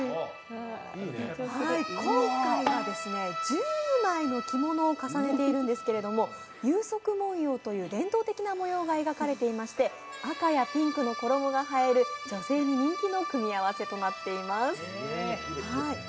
今回は１０枚の着物を重ねているんですけど、有職文様という伝統的な模様が描かれていまして赤やピンクの衣が映える女性の人気の組み合わせとなっています。